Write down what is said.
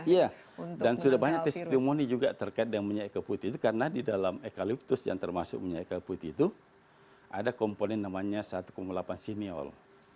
iya dan sudah banyak testimoni juga terkait dengan minyak eka putih itu karena di dalam ekaliptus yang termasuk minyak eka putih itu ada komponen namanya satu delapan sineol